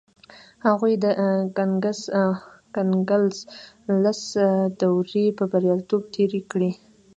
هغوی د کنګل لس دورې په بریالیتوب تېرې کړې.